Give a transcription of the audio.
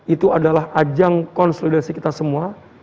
itu adalah ajang konsolidasi kita semua